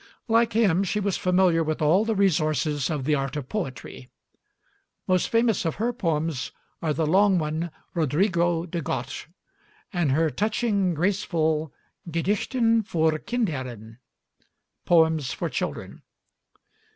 Like him she was familiar with all the resources of the art of poetry. Most famous of her poems are the long one 'Rodrigo de Goth,' and her touching, graceful 'Gedichten voor Kinderen' (Poems for Children).